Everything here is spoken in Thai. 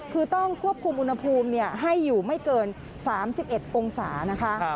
คือต้องควบคุมอุณหภูมิให้อยู่ไม่เกิน๓๑องศานะคะ